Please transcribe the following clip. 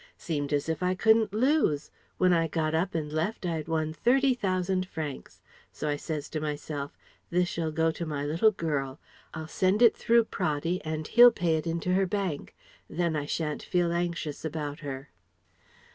Seemed as if I couldn't lose. When I got up and left I had won Thirty thousand francs. So I says to myself: 'This shall go to my little girl: I'll send it through Praddy and he'll pay it into her bank. Then I shan't feel anxious about her.'"